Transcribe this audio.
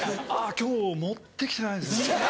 今日持って来てないですね。